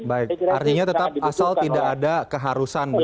baik artinya tetap asal tidak ada keharusan